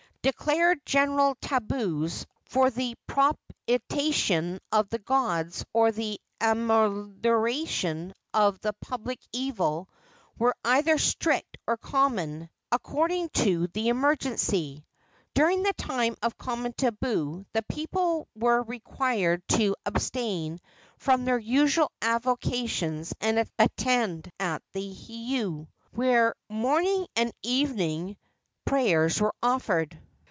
Declared general tabus, for the propitiation of the gods or the amelioration of a public evil, were either strict or common, according to the emergency. During the time of a common tabu the people were required to abstain from their usual avocations and attend at the heiau, where morning and evening prayers were offered.